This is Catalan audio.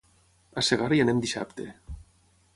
A Segart hi anem dissabte.